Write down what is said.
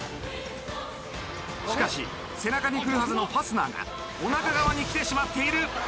しかし背中にくるはずのファスナーがおなか側にきてしまっている。